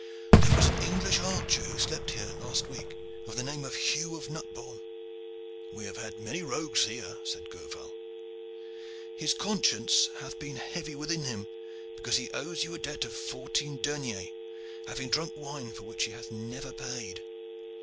'There was an English archer who slept here last week of the name of Hugh of Nutbourne.' 'We have had many rogues here,' said Gourval. 'His conscience hath been heavy within him because he owes you a debt of fourteen deniers, having drunk wine for which he hath never paid.